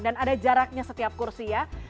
dan ada jaraknya setiap kursi ya